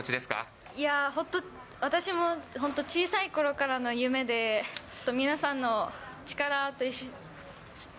いやー、私も本当、小さいころからの夢で、皆さんの力と。